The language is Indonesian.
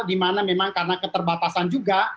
dimana memang karena keterbatasan juga